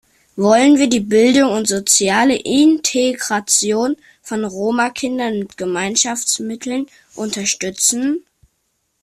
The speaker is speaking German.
Wollen wir die Bildung und soziale Integration von Roma-Kindern mit Gemeinschaftsmitteln unterstützen?